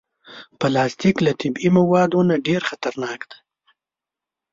پلاستيک له طبعي موادو نه ډېر خطرناک دی.